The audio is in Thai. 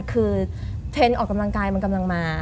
คือเทรนด์ออกกำลังกายมันกำลังมา